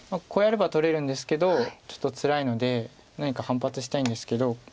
こうやれば取れるんですけどちょっとつらいので何か反発したいんですけど。